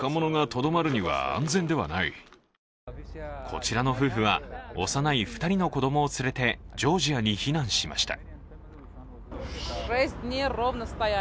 こちらの夫婦は幼い２人の子供を連れてジョージアに避難しました。